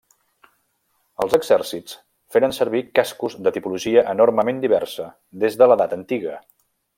Els exèrcits feren servir cascos, de tipologia enormement diversa, des de l'Edat Antiga.